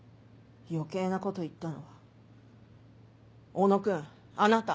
余計なこと言ったのは小野君あなた。